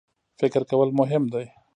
فکر کول مهم دی.